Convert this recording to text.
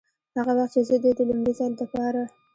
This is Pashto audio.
هغه وخت چې زه دې د لومړي ځل دپاره